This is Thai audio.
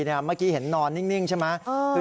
เมื่อกี้เห็นนอนนิ่งใช่ไหม